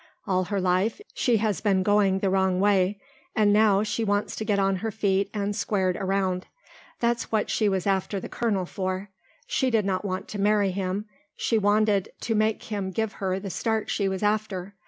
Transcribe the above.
All her life she has been going the wrong way, and now she wants to get on her feet and squared around. That's what she was after the colonel for. She did not want to marry him, she wanted to make him give her the start she was after.